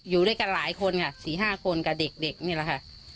อยู่ด้วยกันหลายคนค่ะ๔๕คนกับเด็กนี่แหละค่ะ